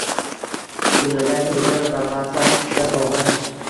jumladan, telegram va Whats appga bogʻlash